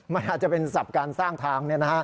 มันอาจจะเป็นศัพท์การสร้างทางเนี่ยนะค่ะ